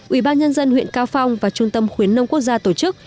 ubnd huyện cao phong và trung tâm khuyến nông quốc gia tổ chức